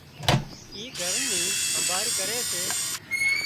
اي گھر نين همڀاۯ ڪري سي